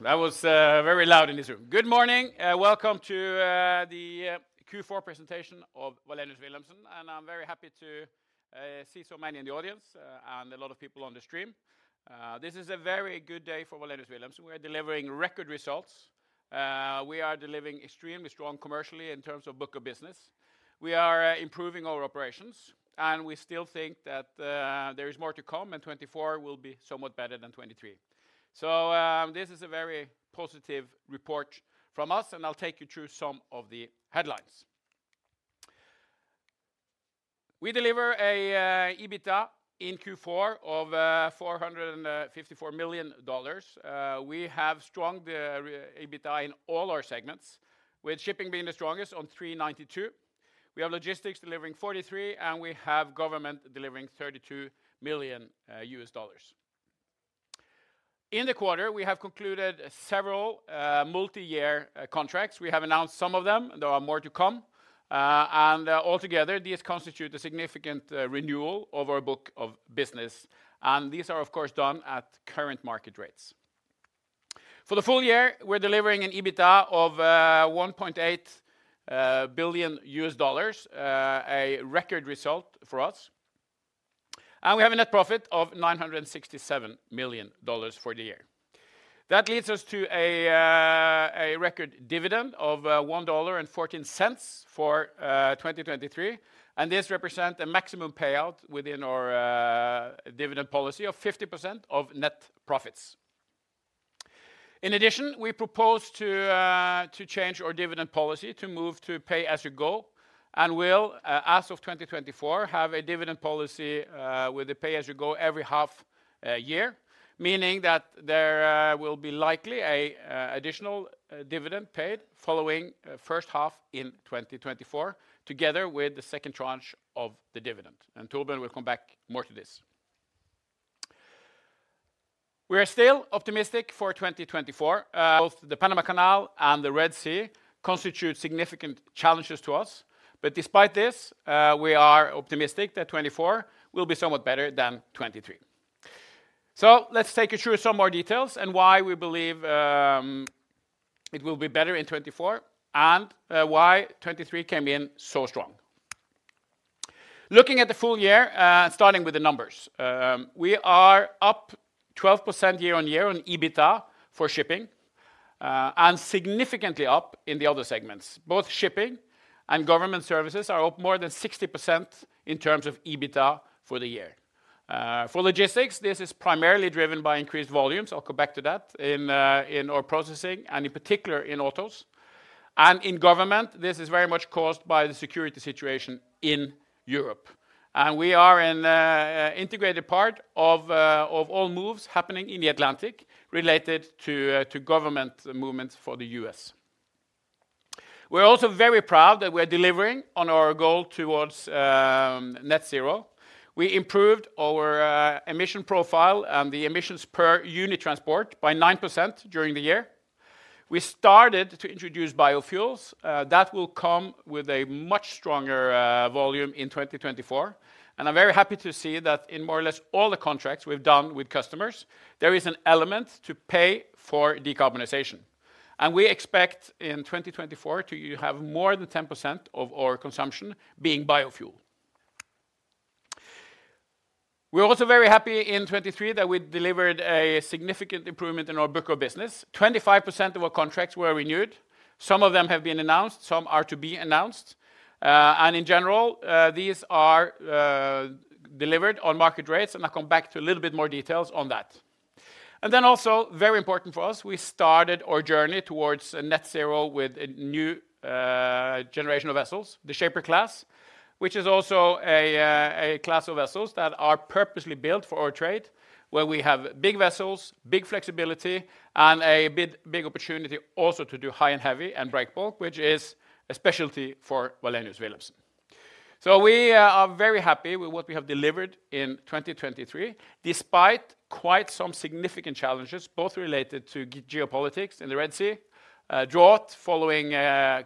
That was very loud in this room. Good morning. Welcome to the Q4 presentation of Wallenius Wilhelmsen, and I'm very happy to see so many in the audience and a lot of people on the stream. This is a very good day for Wallenius Wilhelmsen. We are delivering record results. We are delivering extremely strong commercially in terms of book of business. We are improving our operations, and we still think that there is more to come, and 2024 will be somewhat better than 2023. This is a very positive report from us, and I'll take you through some of the headlines. We deliver an EBITDA in Q4 of $454 million. We have strong EBITDA in all our segments, with shipping being the strongest on $392 million. We have logistics delivering $43 million, and we have government delivering $32 million US dollars. In the quarter, we have concluded several multi-year contracts. We have announced some of them. There are more to come. Altogether, these constitute a significant renewal of our book of business, and these are, of course, done at current market rates. For the full year, we're delivering an EBITDA of $1.8 billion, a record result for us. We have a net profit of $967 million for the year. That leads us to a record dividend of $1.14 for 2023, and this represents a maximum payout within our dividend policy of 50% of net profits. In addition, we propose to change our dividend policy to move to pay-as-you-go and will, as of 2024, have a dividend policy with a pay-as-you-go every half year, meaning that there will be likely an additional dividend paid following the first half in 2024, together with the second tranche of the dividend. Torbjørn will come back more to this. We are still optimistic for 2024. The Panama Canal and the Red Sea constitute significant challenges to us, but despite this, we are optimistic that 2024 will be somewhat better than 2023. So let's take you through some more details and why we believe it will be better in 2024 and why 2023 came in so strong. Looking at the full year, starting with the numbers, we are up 12% year-on-year on EBITDA for shipping and significantly up in the other segments. Both shipping and government services are up more than 60% in terms of EBITDA for the year. For logistics, this is primarily driven by increased volumes. I'll come back to that in our processing, and in particular in autos. In government, this is very much caused by the security situation in Europe. We are an integrated part of all moves happening in the Atlantic related to government movements for the US. We're also very proud that we're delivering on our goal towards net zero. We improved our emission profile and the emissions per unit transport by 9% during the year. We started to introduce biofuels. That will come with a much stronger volume in 2024. I'm very happy to see that in more or less all the contracts we've done with customers, there is an element to pay for decarbonization. We expect in 2024 to have more than 10% of our consumption being biofuel. We're also very happy in 2023 that we delivered a significant improvement in our book of business. 25% of our contracts were renewed. Some of them have been announced. Some are to be announced. In general, these are delivered on market rates, and I'll come back to a little bit more details on that. And then also, very important for us, we started our journey towards Net Zero with a new generation of vessels, the Shaper Class, which is also a class of vessels that are purposely built for our trade, where we have big vessels, big flexibility, and a big opportunity also to do high and heavy and break bulk, which is a specialty for Wallenius Wilhelmsen. So we are very happy with what we have delivered in 2023, despite quite some significant challenges, both related to geopolitics in the Red Sea, drought following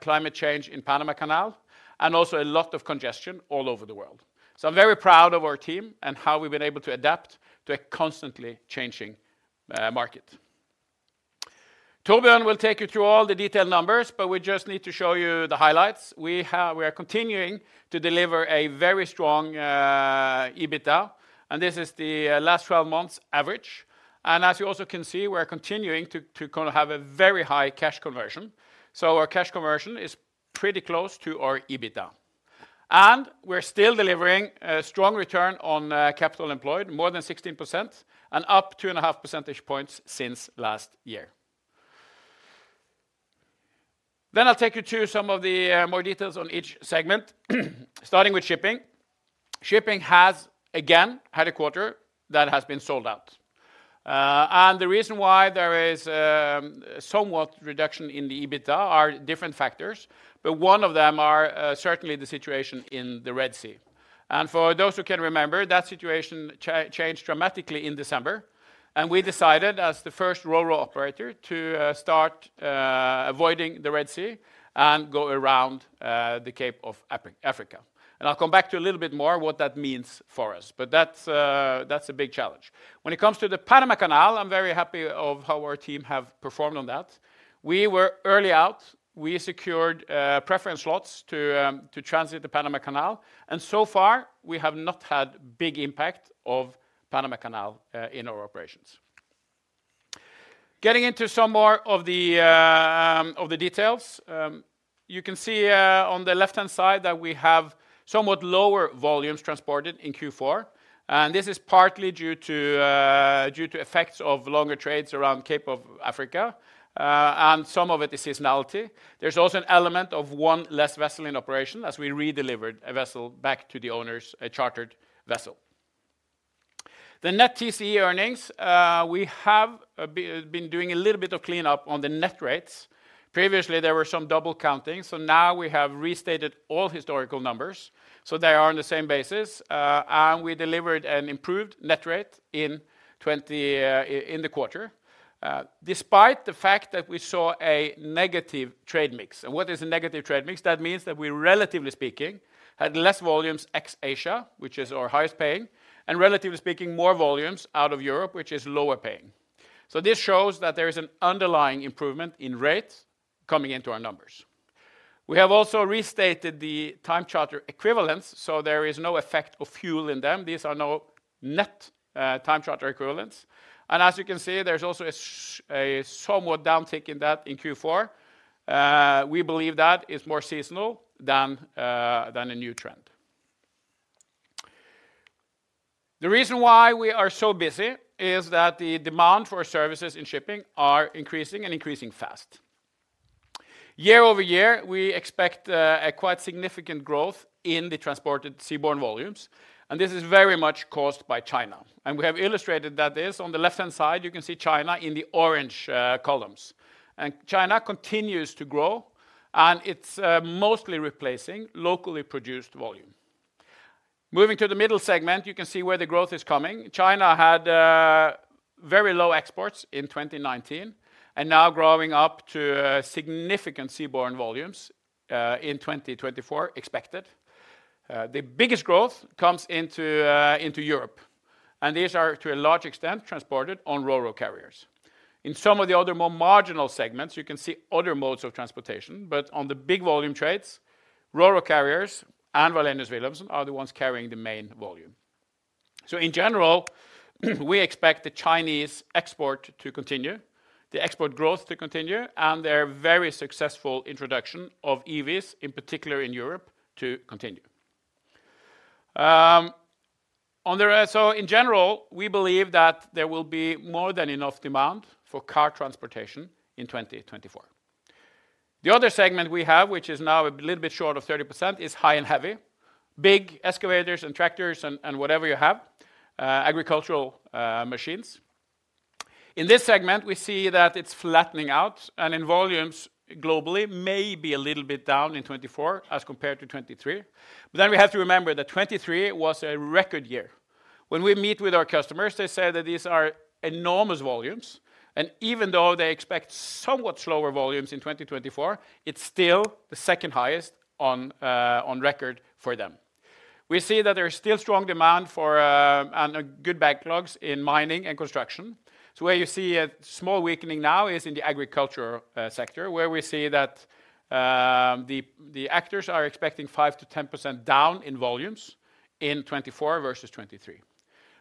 climate change in Panama Canal, and also a lot of congestion all over the world. So I'm very proud of our team and how we've been able to adapt to a constantly changing market. Torbjørn will take you through all the detailed numbers, but we just need to show you the highlights. We are continuing to deliver a very strong EBITDA, and this is the last 12 months' average. And as you also can see, we're continuing to have a very high cash conversion. So our cash conversion is pretty close to our EBITDA. And we're still delivering a strong return on capital employed, more than 16%, and up two and a half percentage points since last year. Then I'll take you through some of the more details on each segment, starting with shipping. Shipping has, again, had a quarter that has been sold out. And the reason why there is somewhat reduction in the EBITDA are different factors, but one of them is certainly the situation in the Red Sea. And for those who can remember, that situation changed dramatically in December, and we decided, as the first RoRo operator, to start avoiding the Red Sea and go around the Cape of Good Hope. And I'll come back to a little bit more what that means for us, but that's a big challenge. When it comes to the Panama Canal, I'm very happy with how our team has performed on that. We were early out. We secured preference slots to transit the Panama Canal, and so far, we have not had a big impact of the Panama Canal in our operations. Getting into some more of the details, you can see on the left-hand side that we have somewhat lower volumes transported in Q4, and this is partly due to effects of longer trades around the Cape of Good Hope and some of it is seasonality. There's also an element of one less vessel in operation as we redelivered a vessel back to the owners, a chartered vessel. The net TCE earnings, we have been doing a little bit of cleanup on the net rates. Previously, there were some double countings, so now we have restated all historical numbers so they are on the same basis, and we delivered an improved net rate in the quarter, despite the fact that we saw a negative trade mix. And what is a negative trade mix? That means that we, relatively speaking, had less volumes ex-Asia, which is our highest paying, and relatively speaking, more volumes out of Europe, which is lower paying. So this shows that there is an underlying improvement in rates coming into our numbers. We have also restated the time charter equivalents, so there is no effect of fuel in them. These are net time charter equivalents. As you can see, there's also a somewhat downtick in that in Q4. We believe that is more seasonal than a new trend. The reason why we are so busy is that the demand for services in shipping is increasing and increasing fast. Year-over-year, we expect quite significant growth in the transported seaborne volumes, and this is very much caused by China. We have illustrated that. On the left-hand side, you can see China in the orange columns. China continues to grow, and it's mostly replacing locally produced volume. Moving to the middle segment, you can see where the growth is coming. China had very low exports in 2019 and now growing up to significant seaborne volumes in 2024, expected. The biggest growth comes into Europe, and these are, to a large extent, transported on RoRo carriers. In some of the other more marginal segments, you can see other modes of transportation, but on the big volume trades, RoRo carriers and Wallenius Wilhelmsen are the ones carrying the main volume. So in general, we expect the Chinese export to continue, the export growth to continue, and their very successful introduction of EVs, in particular in Europe, to continue. So in general, we believe that there will be more than enough demand for car transportation in 2024. The other segment we have, which is now a little bit short of 30%, is high and heavy: big excavators and tractors and whatever you have, agricultural machines. In this segment, we see that it's flattening out, and in volumes globally, it may be a little bit down in 2024 as compared to 2023. But then we have to remember that 2023 was a record year. When we meet with our customers, they say that these are enormous volumes, and even though they expect somewhat slower volumes in 2024, it's still the second highest on record for them. We see that there is still strong demand for good backlogs in mining and construction. So where you see a small weakening now is in the agriculture sector, where we see that the actors are expecting 5%-10% down in volumes in 2024 versus 2023.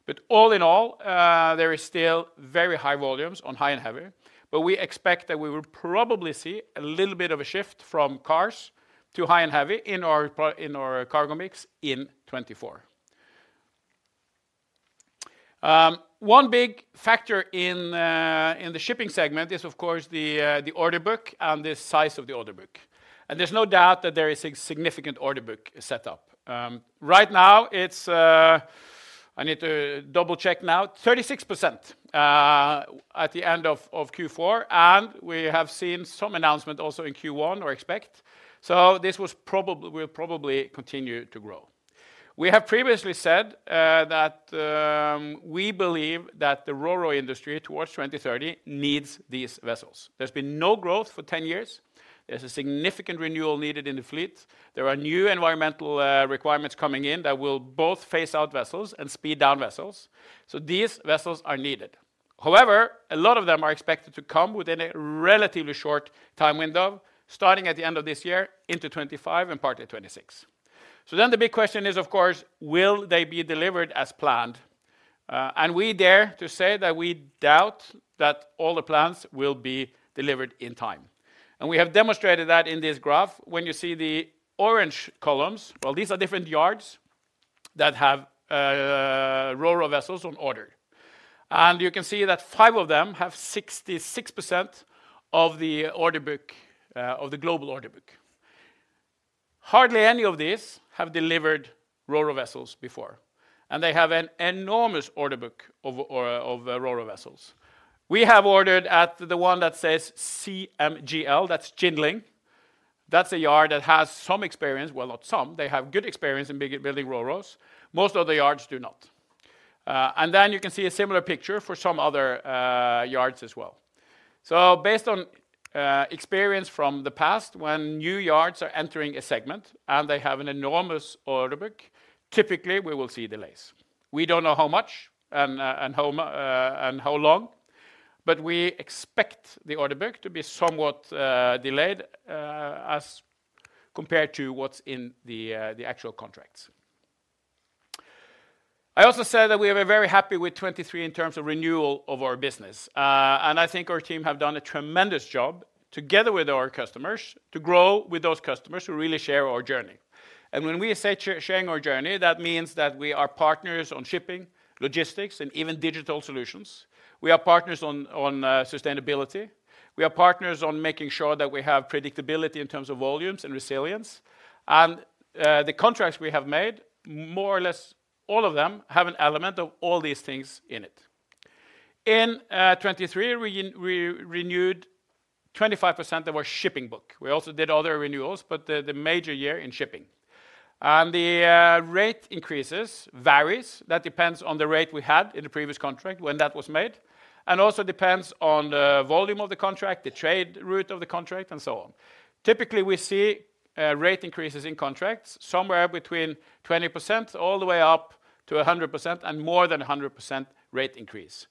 But all in all, there are still very high volumes on high and heavy, but we expect that we will probably see a little bit of a shift from cars to high and heavy in our cargo mix in 2024. One big factor in the shipping segment is, of course, the order book and the size of the order book. There's no doubt that there is a significant order book set up. Right now, it's, I need to double-check, now 36% at the end of Q4, and we have seen some announcements also in Q1 we expect. So this will probably continue to grow. We have previously said that we believe that the RoRo industry towards 2030 needs these vessels. There's been no growth for 10 years. There's a significant renewal needed in the fleet. There are new environmental requirements coming in that will both phase out vessels and slow down vessels. So these vessels are needed. However, a lot of them are expected to come within a relatively short time window, starting at the end of this year into 2025 and partly 2026. So then the big question is, of course, will they be delivered as planned? We dare to say that we doubt that all the plans will be delivered in time. We have demonstrated that in this graph. When you see the orange columns, well, these are different yards that have RoRo vessels on order. You can see that five of them have 66% of the global order book. Hardly any of these have delivered RoRo vessels before, and they have an enormous order book of RoRo vessels. We have ordered at the one that says CMGL, that's Jinling. That's a yard that has some experience. Well, not some. They have good experience in building RoRos. Most of the yards do not. Then you can see a similar picture for some other yards as well. So based on experience from the past, when new yards are entering a segment and they have an enormous order book, typically we will see delays. We don't know how much and how long, but we expect the order book to be somewhat delayed as compared to what's in the actual contracts. I also said that we are very happy with 2023 in terms of renewal of our business. I think our team has done a tremendous job together with our customers to grow with those customers who really share our journey. When we say sharing our journey, that means that we are partners on shipping, logistics, and even digital solutions. We are partners on sustainability. We are partners on making sure that we have predictability in terms of volumes and resilience. The contracts we have made, more or less all of them have an element of all these things in it. In 2023, we renewed 25% of our shipping book. We also did other renewals, but the major year in shipping. The rate increases varies. That depends on the rate we had in the previous contract when that was made. Also depends on the volume of the contract, the trade route of the contract, and so on. Typically, we see rate increases in contracts somewhere between 20% all the way up to 100% and more than 100% rate increase,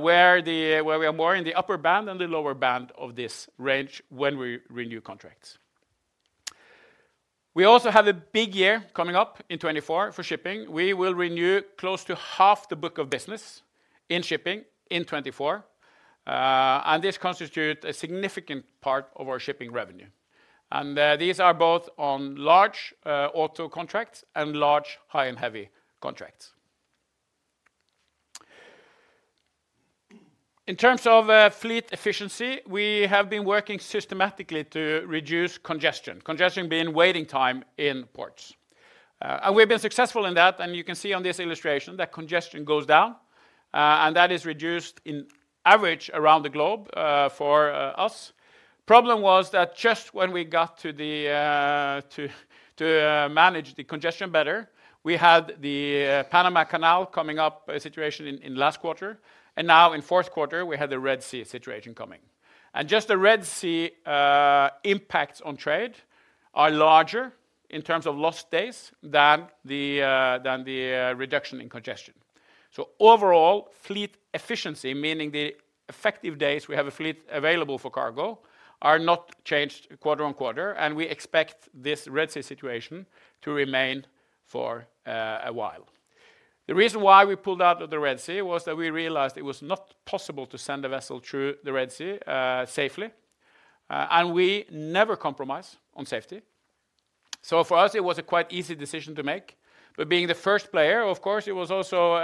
where we are more in the upper band than the lower band of this range when we renew contracts. We also have a big year coming up in 2024 for shipping. We will renew close to half the book of business in shipping in 2024, and this constitutes a significant part of our shipping revenue. And these are both on large auto contracts and large high and heavy contracts. In terms of fleet efficiency, we have been working systematically to reduce congestion, congestion being waiting time in ports. And we have been successful in that, and you can see on this illustration that congestion goes down, and that is reduced in average around the globe for us. The problem was that just when we got to manage the congestion better, we had the Panama Canal coming up situation in last quarter, and now in fourth quarter, we had the Red Sea situation coming. And just the Red Sea impacts on trade are larger in terms of lost days than the reduction in congestion. So overall, fleet efficiency, meaning the effective days we have a fleet available for cargo, are not changed quarter-over-quarter, and we expect this Red Sea situation to remain for a while. The reason why we pulled out of the Red Sea was that we realized it was not possible to send a vessel through the Red Sea safely, and we never compromise on safety. So for us, it was a quite easy decision to make. But being the first player, of course, it was also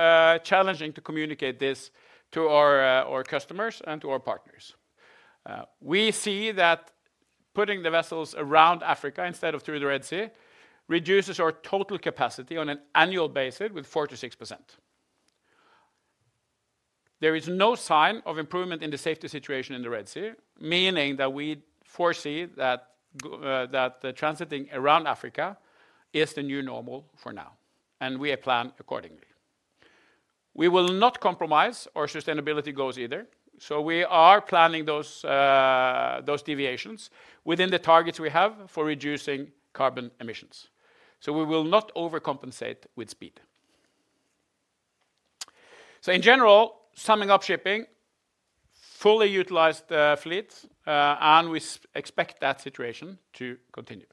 challenging to communicate this to our customers and to our partners. We see that putting the vessels around Africa instead of through the Red Sea reduces our total capacity on an annual basis with 4% to 6%. There is no sign of improvement in the safety situation in the Red Sea, meaning that we foresee that transiting around Africa is the new normal for now, and we plan accordingly. We will not compromise our sustainability goals either, so we are planning those deviations within the targets we have for reducing carbon emissions. So we will not overcompensate with speed. So in general, summing up shipping: fully utilized fleets, and we expect that situation to continue.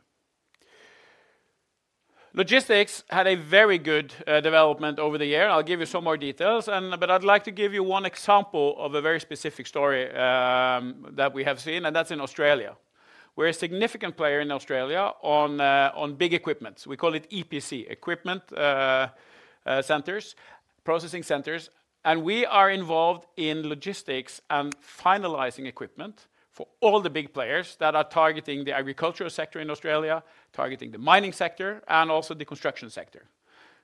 Logistics had a very good development over the year. I'll give you some more details, but I'd like to give you one example of a very specific story that we have seen, and that's in Australia. We're a significant player in Australia on big equipment. We call it EPC, Equipment Processing Centers, and we are involved in logistics and finalizing equipment for all the big players that are targeting the agricultural sector in Australia, targeting the mining sector, and also the construction sector.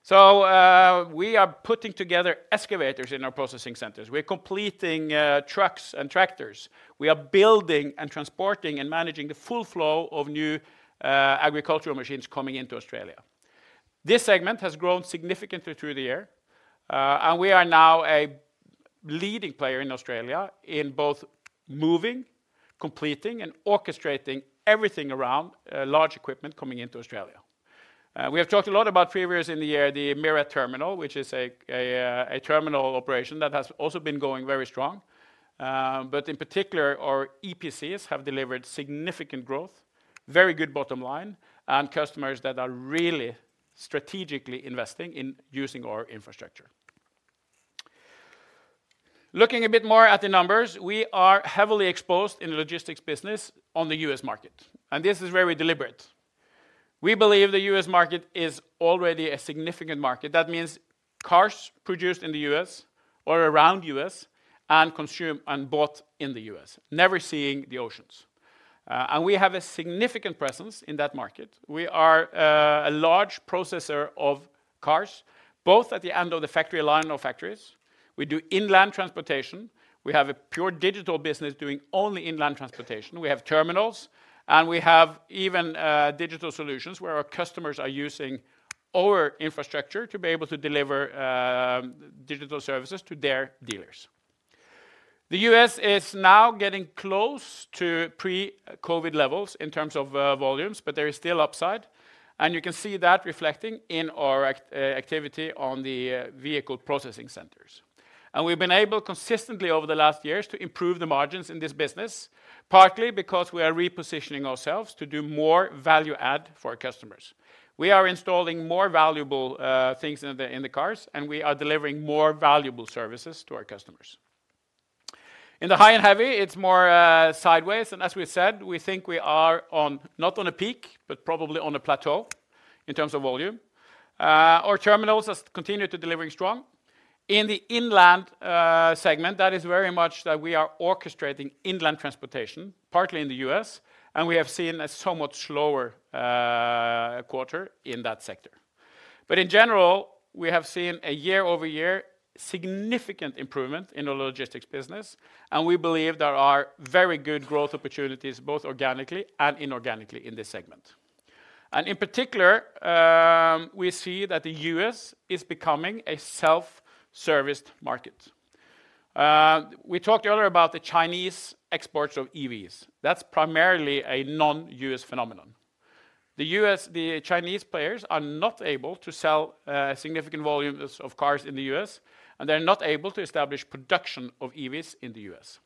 So we are putting together excavators in our processing centers. We are completing trucks and tractors. We are building and transporting and managing the full flow of new agricultural machines coming into Australia. This segment has grown significantly through the year, and we are now a leading player in Australia in both moving, completing, and orchestrating everything around large equipment coming into Australia. We have talked a lot about previously in the year, the Mirra Terminal, which is a terminal operation that has also been going very strong. But in particular, our EPCs have delivered significant growth, very good bottom line, and customers that are really strategically investing in using our infrastructure. Looking a bit more at the numbers, we are heavily exposed in the logistics business on the U.S. market, and this is very deliberate. We believe the U.S. market is already a significant market. That means cars produced in the U.S. or around the U.S. and consumed and bought in the U.S., never seeing the oceans. We have a significant presence in that market. We are a large processor of cars, both at the end of the factory line or factories. We do inland transportation. We have a pure digital business doing only inland transportation. We have terminals, and we have even digital solutions where our customers are using our infrastructure to be able to deliver digital services to their dealers. The U.S. is now getting close to pre-COVID levels in terms of volumes, but there is still upside, and you can see that reflecting in our activity on the vehicle processing centers. And we've been able consistently over the last years to improve the margins in this business, partly because we are repositioning ourselves to do more value add for our customers. We are installing more valuable things in the cars, and we are delivering more valuable services to our customers. In the High and Heavy, it's more sideways. And as we said, we think we are not on a peak, but probably on a plateau in terms of volume. Our terminals continue to be delivering strong. In the inland segment, that is very much that we are orchestrating inland transportation, partly in the U.S., and we have seen a somewhat slower quarter in that sector. In general, we have seen a year-over-year significant improvement in our logistics business, and we believe there are very good growth opportunities both organically and inorganically in this segment. In particular, we see that the U.S. is becoming a self-serviced market. We talked earlier about the Chinese exports of EVs. That's primarily a non-U.S. phenomenon. The Chinese players are not able to sell significant volumes of cars in the U.S., and they're not able to establish production of EVs in the U.S.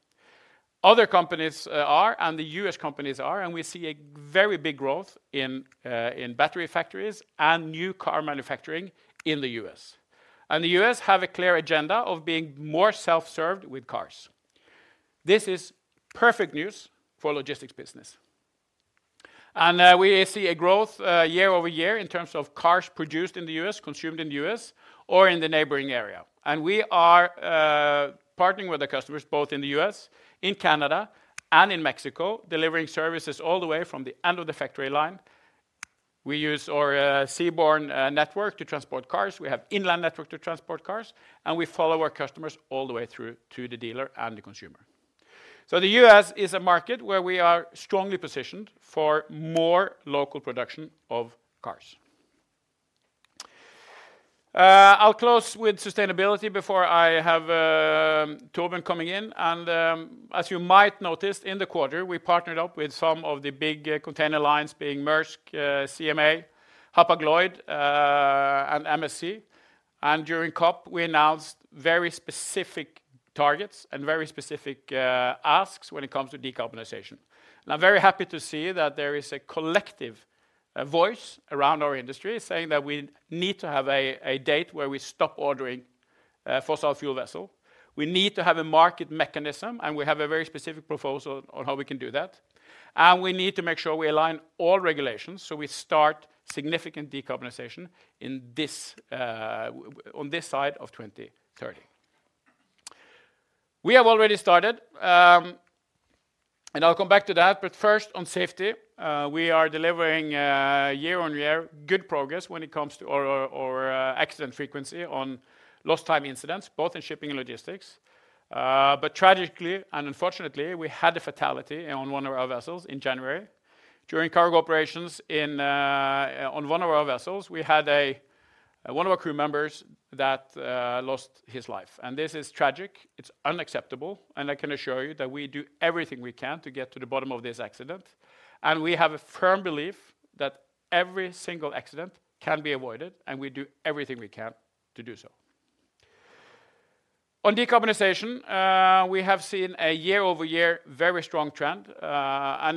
Other companies are, and the U.S. companies are, and we see a very big growth in battery factories and new car manufacturing in the U.S. The U.S. has a clear agenda of being more self-served with cars. This is perfect news for logistics business. We see a growth year-over-year in terms of cars produced in the U.S., consumed in the U.S., or in the neighboring area. We are partnering with our customers both in the U.S., in Canada, and in Mexico, delivering services all the way from the end of the factory line. We use our seaborne network to transport cars. We have an inland network to transport cars, and we follow our customers all the way through to the dealer and the consumer. So the U.S. is a market where we are strongly positioned for more local production of cars. I'll close with sustainability before I have Torbjørn coming in. And as you might notice, in the quarter, we partnered up with some of the big container lines being Maersk, CMA, Hapag-Lloyd, and MSC. During COP, we announced very specific targets and very specific asks when it comes to decarbonization. I'm very happy to see that there is a collective voice around our industry saying that we need to have a date where we stop ordering fossil fuel vessels. We need to have a market mechanism, and we have a very specific proposal on how we can do that. We need to make sure we align all regulations so we start significant decarbonization on this side of 2030. We have already started, and I'll come back to that. But first, on safety, we are delivering year-on-year good progress when it comes to our accident frequency on lost time incidents, both in shipping and logistics. But tragically and unfortunately, we had a fatality on one of our vessels in January. During cargo operations on one of our vessels, we had one of our crew members that lost his life. This is tragic. It's unacceptable. I can assure you that we do everything we can to get to the bottom of this accident. We have a firm belief that every single accident can be avoided, and we do everything we can to do so. On decarbonization, we have seen a year-over-year very strong trend.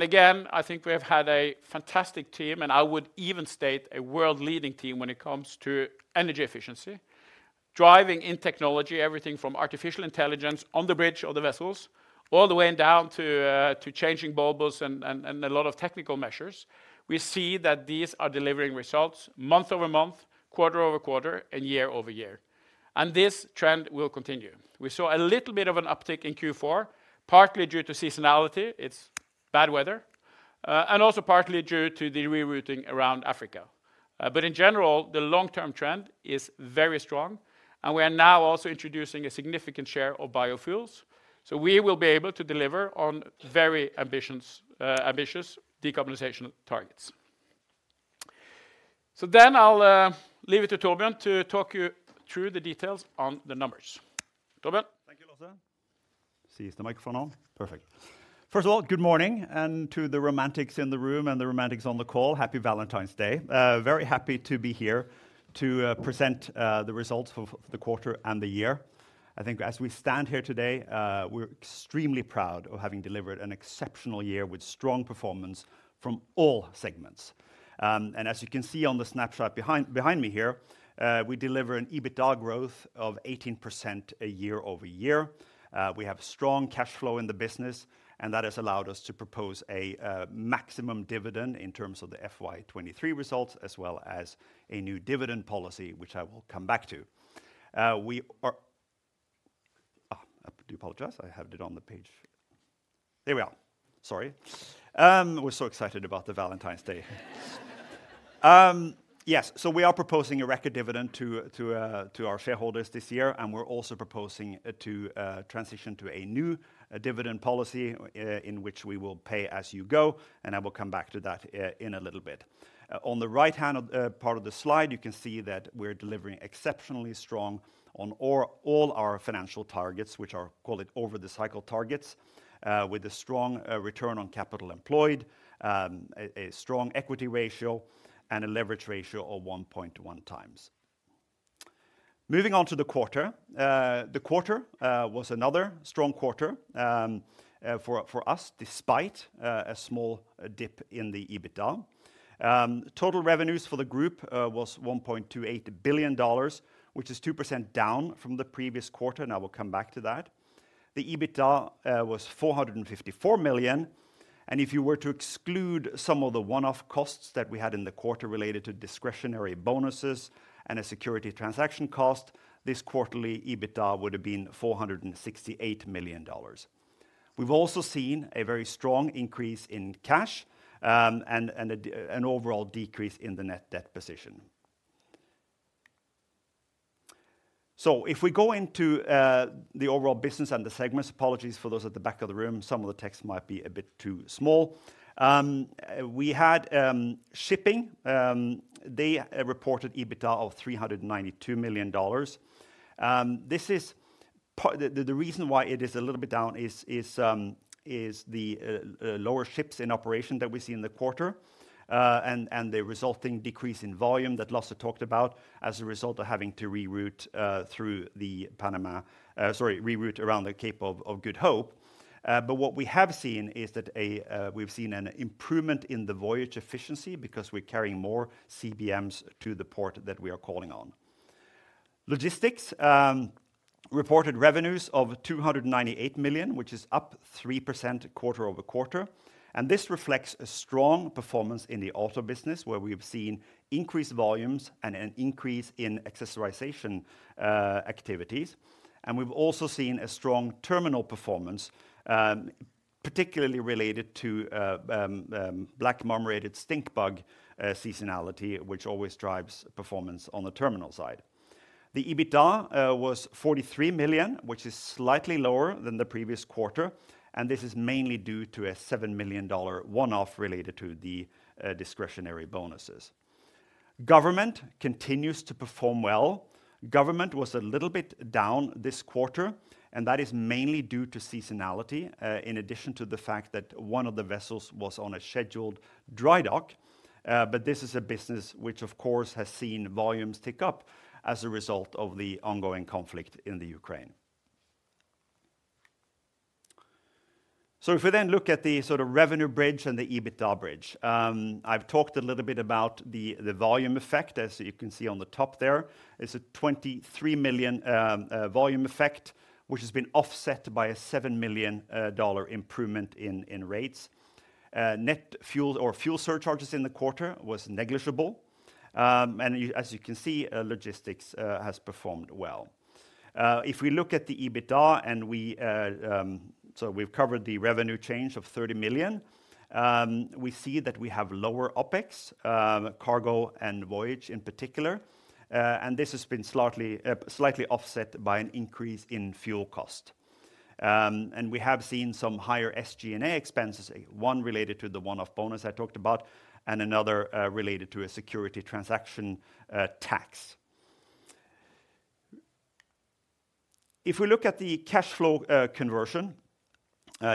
Again, I think we have had a fantastic team, and I would even state a world-leading team when it comes to energy efficiency, driving in technology, everything from artificial intelligence on the bridge of the vessels all the way down to changing bulbs and a lot of technical measures. We see that these are delivering results month-over-month, quarter-over-quarter, and year-over-year. This trend will continue. We saw a little bit of an uptick in Q4, partly due to seasonality. It's bad weather, and also partly due to the rerouting around Africa. But in general, the long-term trend is very strong, and we are now also introducing a significant share of biofuels. So we will be able to deliver on very ambitious decarbonization targets. So then I'll leave it to Torbjørn to talk you through the details on the numbers. Torbjørn? Thank you, Lasse! See the microphone now? Perfect. First of all, good morning, and to the romantics in the room and the romantics on the call. Happy Valentine's Day! Very happy to be here to present the results for the quarter and the year. I think as we stand here today, we're extremely proud of having delivered an exceptional year with strong performance from all segments. As you can see on the snapshot behind me here, we deliver an EBITDA growth of 18% year over year. We have strong cash flow in the business, and that has allowed us to propose a maximum dividend in terms of the FY23 results, as well as a new dividend policy, which I will come back to. We are—do you apologize? I have it on the page. There we are. Sorry. We're so excited about the Valentine's Day. Yes. So we are proposing a record dividend to our shareholders this year, and we're also proposing to transition to a new dividend policy in which we will pay as you go, and I will come back to that in a little bit. On the right-hand part of the slide, you can see that we're delivering exceptionally strong on all our financial targets, which are, call it, over-the-cycle targets, with a strong return on capital employed, a strong equity ratio, and a leverage ratio of 1.1 times. Moving on to the quarter, the quarter was another strong quarter for us, despite a small dip in the EBITDA. Total revenues for the group were $1.28 billion, which is 2% down from the previous quarter. And I will come back to that. The EBITDA was $454 million. And if you were to exclude some of the one-off costs that we had in the quarter related to discretionary bonuses and a security transaction cost, this quarterly EBITDA would have been $468 million. We've also seen a very strong increase in cash and an overall decrease in the net debt position. So if we go into the overall business and the segments, apologies for those at the back of the room, some of the text might be a bit too small, we had shipping. They reported EBITDA of $392 million. The reason why it is a little bit down is the lower ships in operation that we see in the quarter and the resulting decrease in volume that Lasse talked about as a result of having to reroute around the Cape of Good Hope. But what we have seen is that we've seen an improvement in the voyage efficiency because we're carrying more CBMs to the port that we are calling on. Logistics reported revenues of $298 million, which is up 3% quarter-over-quarter. And this reflects a strong performance in the auto business where we've seen increased volumes and an increase in accessorization activities. We've also seen a strong terminal performance, particularly related to Black Marmorated Stink Bug seasonality, which always drives performance on the terminal side. The EBITDA was $43 million, which is slightly lower than the previous quarter. This is mainly due to a $7 million one-off related to the discretionary bonuses. Government continues to perform well. Government was a little bit down this quarter, and that is mainly due to seasonality, in addition to the fact that one of the vessels was on a scheduled dry dock. This is a business which, of course, has seen volumes tick up as a result of the ongoing conflict in the Ukraine. If we then look at the sort of revenue bridge and the EBITDA bridge, I've talked a little bit about the volume effect. As you can see on the top there, it's a $23 million volume effect, which has been offset by a $7 million improvement in rates. Net fuel or fuel surcharges in the quarter were negligible. And as you can see, logistics has performed well. If we look at the EBITDA and we, so we've covered the revenue change of $30 million, we see that we have lower OPEX, cargo and voyage in particular. And this has been slightly offset by an increase in fuel cost. And we have seen some higher SG&A expenses, one related to the one-off bonus I talked about and another related to a security transaction tax. If we look at the cash flow conversion,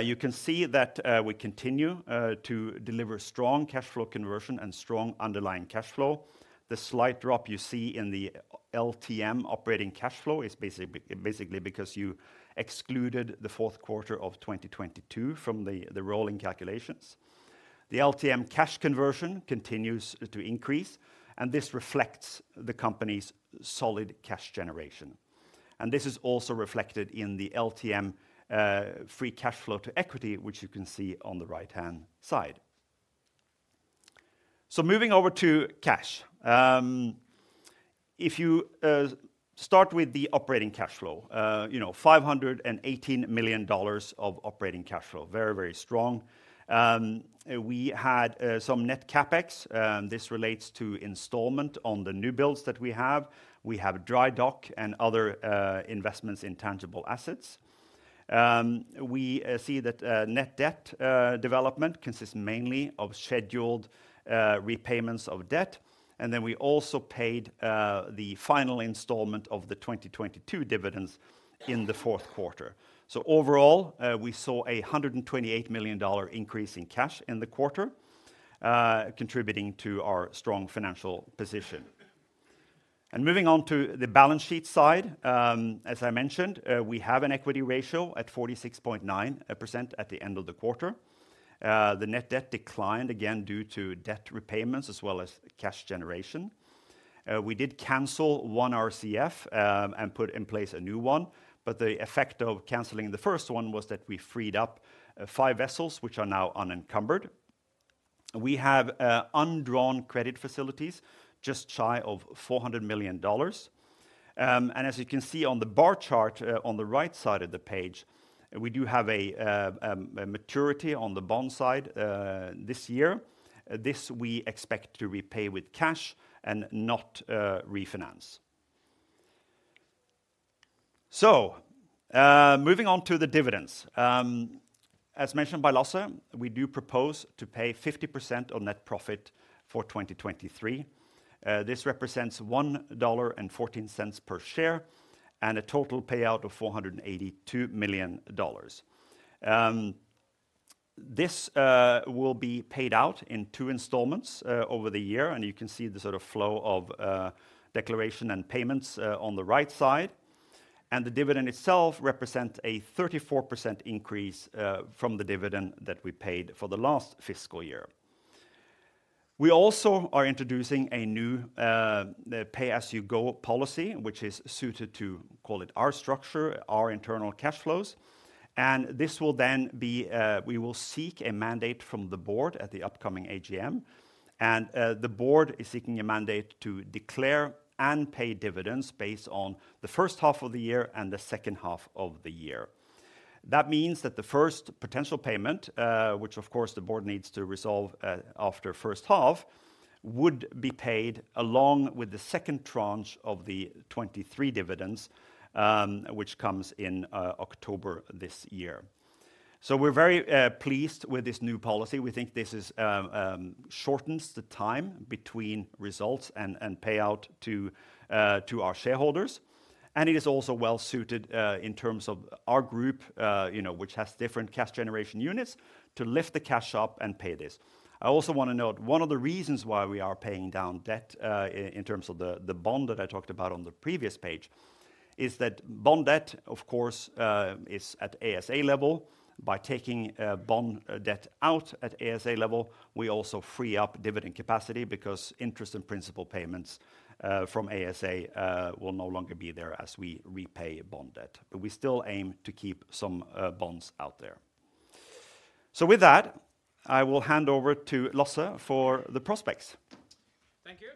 you can see that we continue to deliver strong cash flow conversion and strong underlying cash flow. The slight drop you see in the LTM operating cash flow is basically because you excluded the fourth quarter of 2022 from the rolling calculations. The LTM cash conversion continues to increase, and this reflects the company's solid cash generation. This is also reflected in the LTM free cash flow to equity, which you can see on the right-hand side. Moving over to cash, if you start with the operating cash flow, $518 million of operating cash flow, very, very strong. We had some net CapEx. This relates to installment on the new builds that we have. We have a dry dock and other investments in tangible assets. We see that net debt development consists mainly of scheduled repayments of debt. And then we also paid the final installment of the 2022 dividends in the fourth quarter. Overall, we saw a $128 million increase in cash in the quarter, contributing to our strong financial position. Moving on to the balance sheet side, as I mentioned, we have an equity ratio at 46.9% at the end of the quarter. The net debt declined again due to debt repayments as well as cash generation. We did cancel one RCF and put in place a new one. But the effect of canceling the first one was that we freed up five vessels, which are now unencumbered. We have undrawn credit facilities, just shy of $400 million. As you can see on the bar chart on the right side of the page, we do have a maturity on the bond side this year. This we expect to repay with cash and not refinance. So moving on to the dividends, as mentioned by Lasse, we do propose to pay 50% of net profit for 2023. This represents $1.14 per share and a total payout of $482 million. This will be paid out in two installments over the year. And you can see the sort of flow of declaration and payments on the right side. And the dividend itself represents a 34% increase from the dividend that we paid for the last fiscal year. We also are introducing a new pay-as-you-go policy, which is suited to, call it, our structure, our internal cash flows. And this will then be, we will seek a mandate from the board at the upcoming AGM. And the board is seeking a mandate to declare and pay dividends based on the first half of the year and the second half of the year. That means that the first potential payment, which, of course, the board needs to resolve after first half, would be paid along with the second tranche of the 2023 dividends, which comes in October this year. So we're very pleased with this new policy. We think this shortens the time between results and payout to our shareholders. It is also well-suited in terms of our group, which has different cash generation units, to lift the cash up and pay this. I also want to note one of the reasons why we are paying down debt in terms of the bond that I talked about on the previous page is that bond debt, of course, is at ASA level. By taking bond debt out at ASA level, we also free up dividend capacity because interest and principal payments from ASA will no longer be there as we repay bond debt. But we still aim to keep some bonds out there. So with that, I will hand over to Lasse for the prospects. Thank you.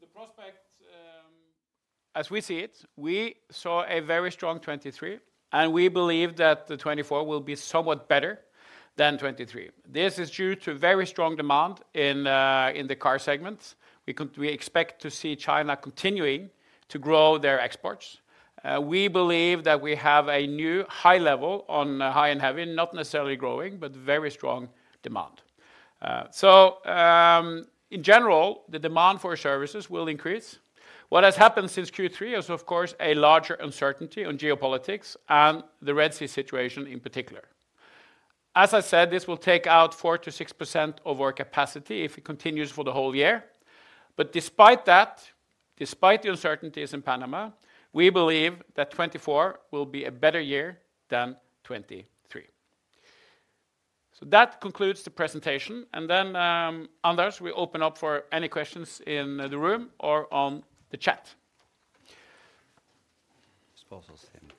The prospects, as we see it, we saw a very strong 2023, and we believe that the 2024 will be somewhat better than 2023. This is due to very strong demand in the car segment. We expect to see China continuing to grow their exports. We believe that we have a new high level on high and heavy, not necessarily growing, but very strong demand. So in general, the demand for services will increase. What has happened since Q3 is, of course, a larger uncertainty on geopolitics and the Red Sea situation in particular. As I said, this will take out 4% to 6% of our capacity if it continues for the whole year. But despite that, despite the uncertainties in Panama, we believe that 2024 will be a better year than 2023. So that concludes the presentation. And then, Anders, we open up for any questions in the room or on the chat. Vi skal også se om det så langt vi kan ta med den. Skal vi ta den til slutt?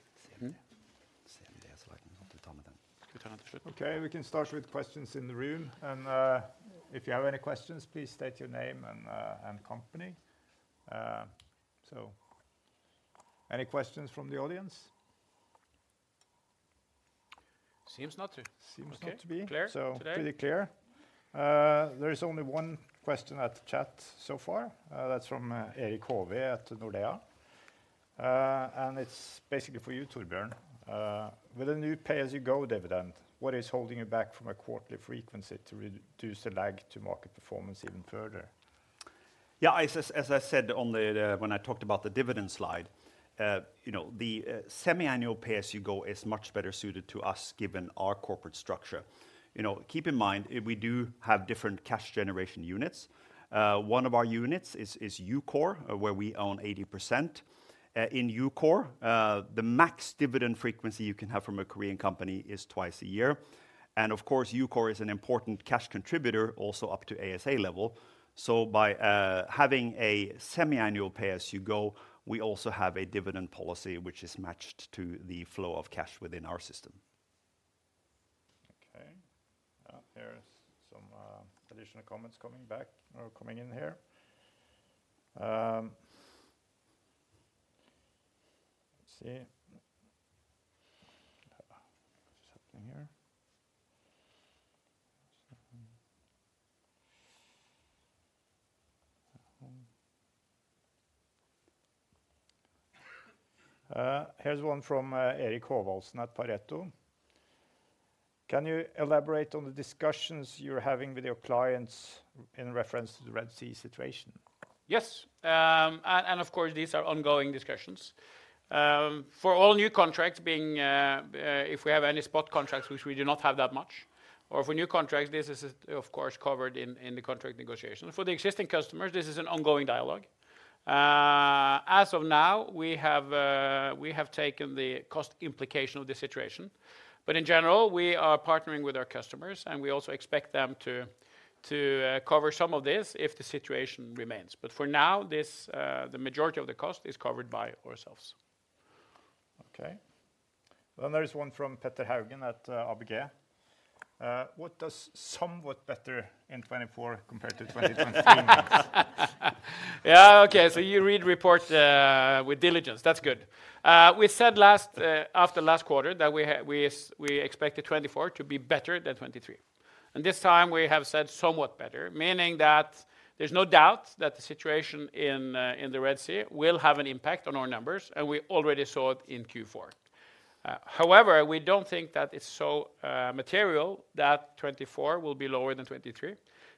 Okay. We can start with questions in the room. And if you have any questions, please state your name and company. So any questions from the audience? Seems not to. Seems not to be? Clear? So pretty clear. There is only one question at the chat so far. That's from Erik Hovi at Nordea. And it's basically for you, Torbjørn. With a new pay-as-you-go dividend, what is holding you back from a quarterly frequency to reduce the lag to market performance even further? Yeah. As I said when I talked about the dividend slide, the semi-annual pay-as-you-go is much better suited to us given our corporate structure. Keep in mind, we do have different cash generation units. One of our units is EUKOR, where we own 80%. In EUKOR, the max dividend frequency you can have from a Korean company is twice a year. And of course, EUKOR is an important cash contributor, also up to ASA level. So by having a semi-annual pay-as-you-go, we also have a dividend policy which is matched to the flow of cash within our system. Okay. There are some additional comments coming back or coming in here. Let's see. What is happening here? Here's one from Eirik Haavaldsen at Pareto. Can you elaborate on the discussions you're having with your clients in reference to the Red Sea situation? Yes. And of course, these are ongoing discussions. For all new contracts, if we have any spot contracts which we do not have that much, or for new contracts, this is, of course, covered in the contract negotiation. For the existing customers, this is an ongoing dialogue. As of now, we have taken the cost implication of the situation. But in general, we are partnering with our customers, and we also expect them to cover some of this if the situation remains. But for now, the majority of the cost is covered by ourselves. Okay. Then there is one from Petter Haugen at ABG. What does somewhat better in 2024 compared to 2023 mean? Yeah. Okay. So you read report with diligence. That's good. We said after last quarter that we expected 2024 to be better than 2023. This time, we have said somewhat better, meaning that there's no doubt that the situation in the Red Sea will have an impact on our numbers, and we already saw it in Q4. However, we don't think that it's so material that 2024 will be lower than 2023.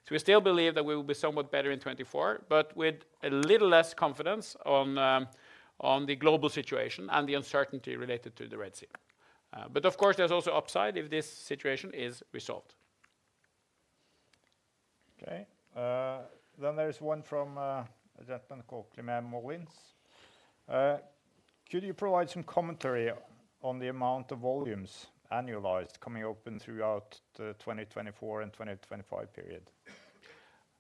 So we still believe that we will be somewhat better in 2024, but with a little less confidence on the global situation and the uncertainty related to the Red Sea. But of course, there's also upside if this situation is resolved. Okay. Then there is one from Clément Molins. Could you provide some commentary on the amount of volumes annualized coming open throughout the 2024 and 2025 period?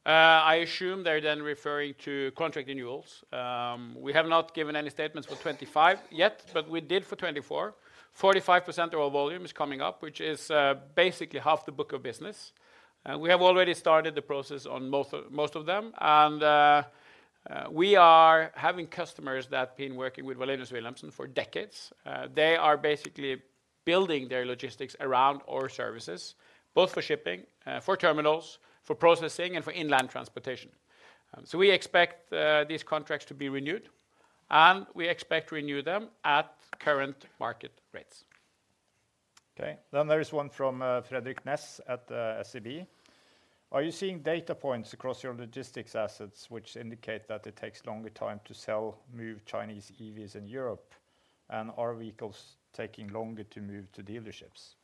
I assume they're then referring to contract renewals. We have not given any statements for 2025 yet, but we did for 2024. 45% of our volume is coming up, which is basically half the book of business. We have already started the process on most of them. We are having customers that have been working with Wallenius Wilhelmsen for decades. They are basically building their logistics around our services, both for shipping, for terminals, for processing, and for inland transportation. So we expect these contracts to be renewed, and we expect to renew them at current market rates. Okay. Then there is one from Fredrik Ness at SEB. Are you seeing data points across your logistics assets which indicate that it takes longer time to sell/move Chinese EVs in Europe? And are vehicles taking longer to move to dealerships?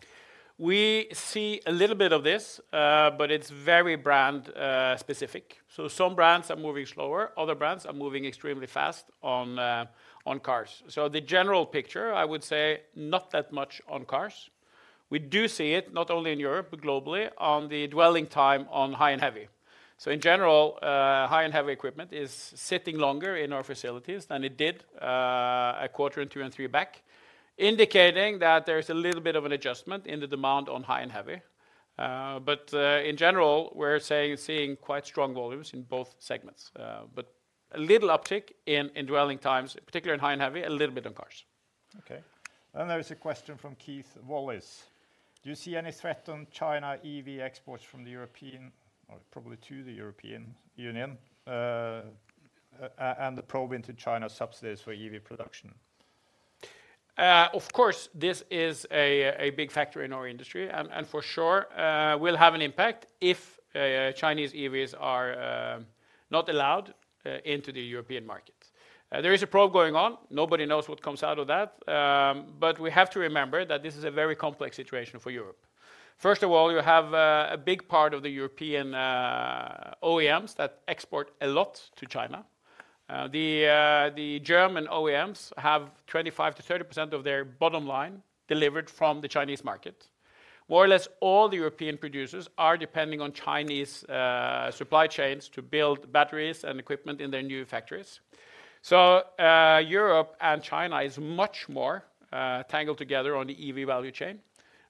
We see a little bit of this, but it's very brand-specific. So some brands are moving slower, other brands are moving extremely fast on cars. So the general picture, I would say, not that much on cars. We do see it not only in Europe but globally on the dwelling time on high and heavy. So in general, high and heavy equipment is sitting longer in our facilities than it did a quarter and two and three back, indicating that there is a little bit of an adjustment in the demand on high and heavy. But in general, we're seeing quite strong volumes in both segments, but a little uptick in dwelling times, particularly in high and heavy, a little bit on cars. Okay. Then there is a question from Keith Wallis. Do you see any threat on China EV exports from the European—or probably to the European Union—and the probe into China subsidies for EV production? Of course, this is a big factor in our industry, and for sure will have an impact if Chinese EVs are not allowed into the European market. There is a probe going on. Nobody knows what comes out of that. But we have to remember that this is a very complex situation for Europe. First of all, you have a big part of the European OEMs that export a lot to China. The German OEMs have 25% to 30% of their bottom line delivered from the Chinese market. More or less, all the European producers are depending on Chinese supply chains to build batteries and equipment in their new factories. So Europe and China are much more tangled together on the EV value chain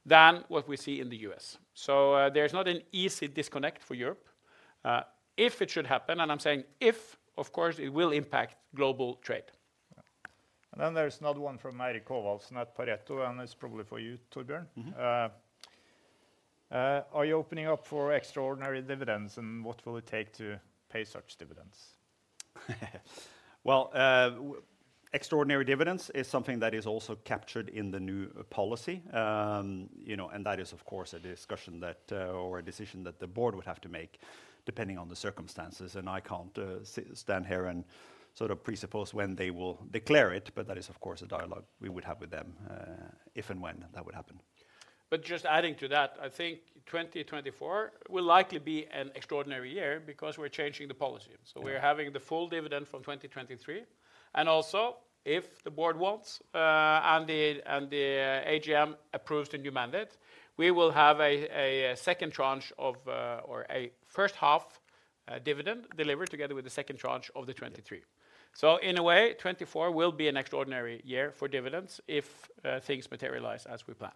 than what we see in the U.S. So there's not an easy disconnect for Europe. If it should happen, and I'm saying if, of course, it will impact global trade. Then there is another one from Erik Håvoldsen at Pareto, and it's probably for you, Torbjørn. Are you opening up for extraordinary dividends, and what will it take to pay such dividends? Well, extraordinary dividends are something that is also captured in the new policy. And that is, of course, a discussion or a decision that the board would have to make depending on the circumstances. And I can't stand here and sort of presuppose when they will declare it, but that is, of course, a dialogue we would have with them if and when that would happen. But just adding to that, I think 2024 will likely be an extraordinary year because we're changing the policy. So we're having the full dividend from 2023. And also, if the board wants and the AGM approves the new mandate, we will have a second tranche of—or a first half dividend delivered together with the second tranche of the 2023. So in a way, 2024 will be an extraordinary year for dividends if things materialize as we plan.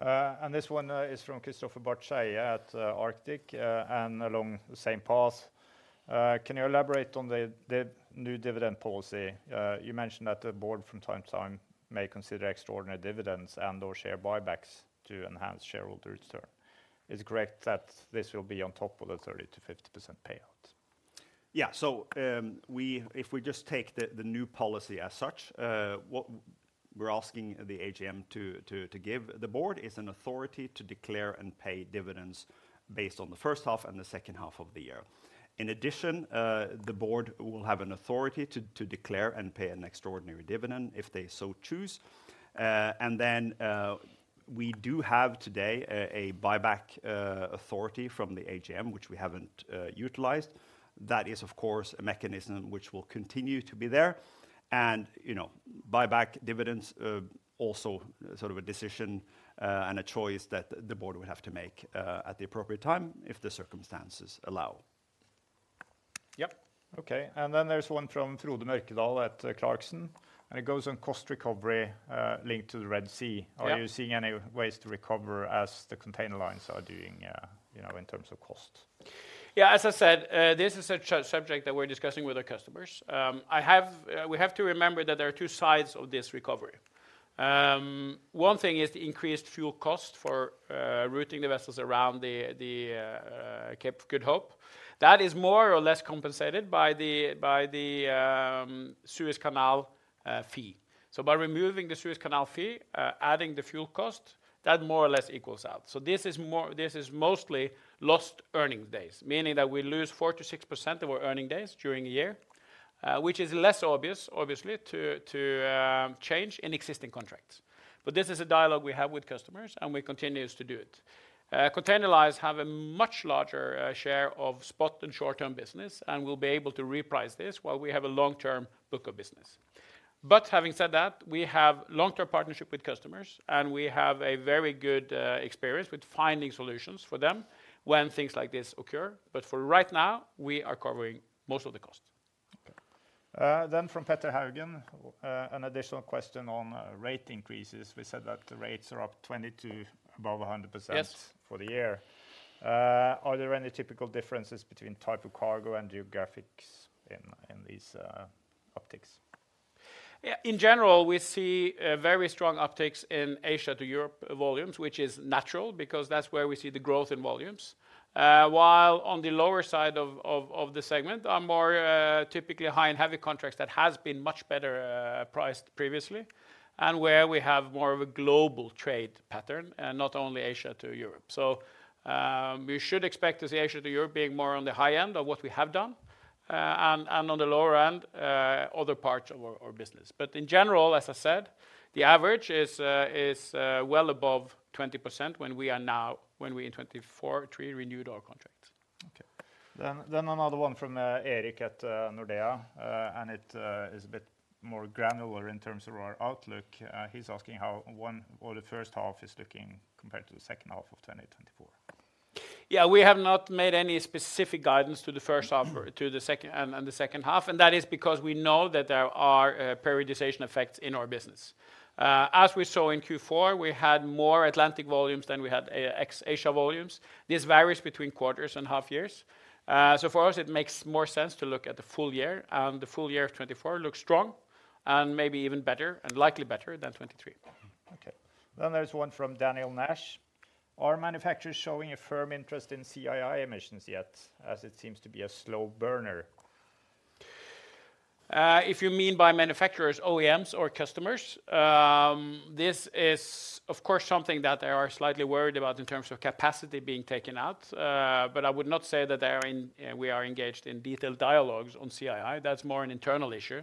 And this one is from Kristoffer Barth Skeie at Arctic and along the same path. Can you elaborate on the new dividend policy? You mentioned that the board, from time to time, may consider extraordinary dividends and/or share buybacks to enhance shareholder return. Is it correct that this will be on top of the 30% to 50% payout? Yeah. So if we just take the new policy as such, what we're asking the AGM to give the board is an authority to declare and pay dividends based on the first half and the second half of the year. In addition, the board will have an authority to declare and pay an extraordinary dividend if they so choose. Then we do have today a buyback authority from the AGM, which we haven't utilized. That is, of course, a mechanism which will continue to be there. And buyback dividends are also sort of a decision and a choice that the board would have to make at the appropriate time if the circumstances allow. Yep. Okay. And then there's one from Frode Mørkedal at Clarksons. And it goes on cost recovery linked to the Red Sea. Are you seeing any ways to recover as the container lines are doing in terms of cost? Yeah. As I said, this is a subject that we're discussing with our customers. We have to remember that there are two sides of this recovery. One thing is the increased fuel cost for routing the vessels around the Cape of Good Hope. That is more or less compensated by the Suez Canal fee. So by removing the Suez Canal fee, adding the fuel cost, that more or less equals out. So this is mostly lost earnings days, meaning that we lose 4% to 6% of our earnings days during a year, which is less obvious, obviously, to change in existing contracts. But this is a dialogue we have with customers, and we continue to do it. Container lines have a much larger share of spot and short-term business and will be able to reprice this while we have a long-term book of business. But having said that, we have a long-term partnership with customers, and we have a very good experience with finding solutions for them when things like this occur. But for right now, we are covering most of the cost. Okay. Then from Petter Haugen, an additional question on rate increases. We said that the rates are up 20% to above 100% for the year. Are there any typical differences between type of cargo and geographies in these upticks? In general, we see very strong upticks in Asia to Europe volumes, which is natural because that's where we see the growth in volumes. While on the lower side of the segment are more typically high and heavy contracts that have been much better priced previously and where we have more of a global trade pattern, not only Asia to Europe. So we should expect to see Asia to Europe being more on the high end of what we have done and on the lower end, other parts of our business. But in general, as I said, the average is well above 20% when we are now when we in 2024 renewed our contracts. Okay. Then another one from Erik at Nordea, and it is a bit more granular in terms of our outlook. He's asking how the first half is looking compared to the second half of 2024. Yeah. We have not made any specific guidance to the first half and the second half. And that is because we know that there are periodization effects in our business. As we saw in Q4, we had more Atlantic volumes than we had Asia volumes. This varies between quarters and half years. So for us, it makes more sense to look at the full year. And the full year of 2024 looks strong and maybe even better and likely better than 2023. Okay. Then there's one from Daniel Nash. Are manufacturers showing a firm interest in CII emissions yet, as it seems to be a slow burner? If you mean by manufacturers, OEMs, or customers, this is, of course, something that they are slightly worried about in terms of capacity being taken out. But I would not say that we are engaged in detailed dialogues on CII. That's more an internal issue.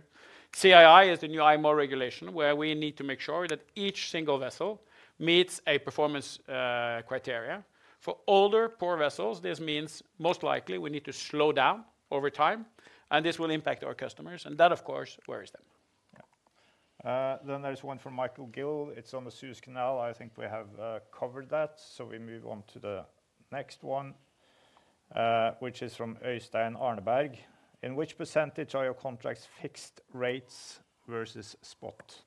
CII is the new IMO regulation where we need to make sure that each single vessel meets a performance criteria. For older, poor vessels, this means most likely we need to slow down over time, and this will impact our customers. And that, of course, worries them. Yeah. Then there is one from Michael Gill. It's on the Suez Canal. I think we have covered that. So we move on to the next one, which is from Øystein Arneberg. In which percentage are your contracts fixed rates versus spot?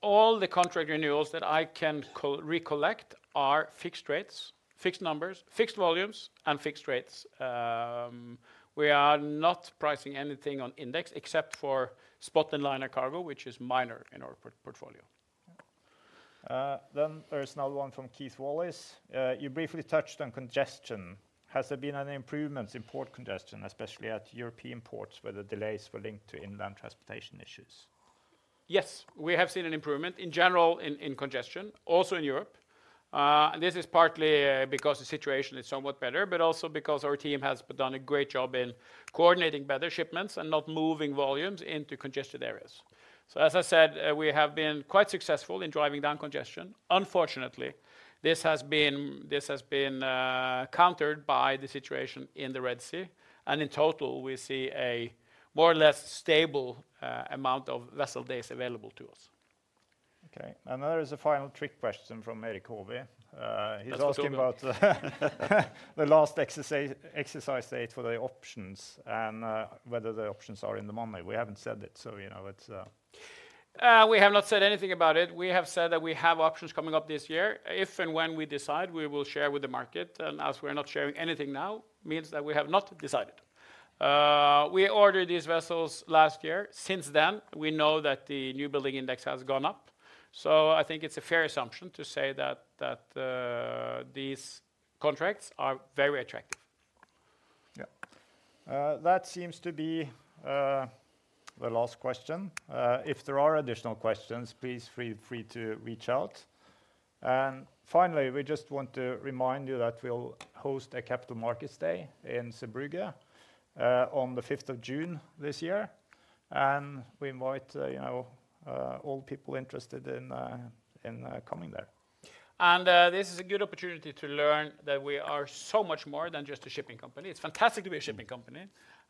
All the contract renewals that I can recollect are fixed rates, fixed numbers, fixed volumes, and fixed rates. We are not pricing anything on index except for spot and liner cargo, which is minor in our portfolio. Then there is another one from Keith Wallis. You briefly touched on congestion. Has there been any improvements in port congestion, especially at European ports where the delays were linked to inland transportation issues? Yes. We have seen an improvement in general in congestion, also in Europe. This is partly because the situation is somewhat better, but also because our team has done a great job in coordinating better shipments and not moving volumes into congested areas. So as I said, we have been quite successful in driving down congestion. Unfortunately, this has been countered by the situation in the Red Sea. In total, we see a more or less stable amount of vessel days available to us. Okay. And there is a final trick question from Erik Hove. He's asking about the last exercise date for the options and whether the options are in the money. We haven't said it, so it's... We have not said anything about it. We have said that we have options coming up this year. If and when we decide, we will share with the market. And as we are not sharing anything now means that we have not decided. We ordered these vessels last year. Since then, we know that the new building index has gone up. So I think it's a fair assumption to say that these contracts are very attractive. Yeah. That seems to be the last question. If there are additional questions, please feel free to reach out. Finally, we just want to remind you that we'll host a Capital Markets Day in Zeebrugge on the 5th of June this year. We invite all people interested in coming there. This is a good opportunity to learn that we are so much more than just a shipping company. It's fantastic to be a shipping company.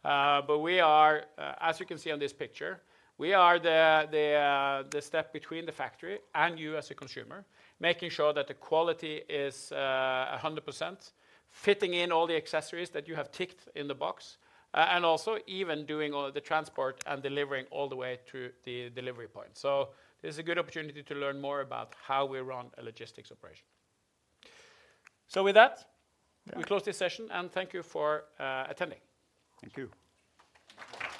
But we are, as you can see on this picture, we are the step between the factory and you as a consumer, making sure that the quality is 100%, fitting in all the accessories that you have ticked in the box, and also even doing all the transport and delivering all the way to the delivery point. So this is a good opportunity to learn more about how we run a logistics operation. So with that, we close this session. Thank you for attending. Thank you.